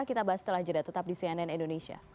kita bahas setelah jeda tetap di cnn indonesia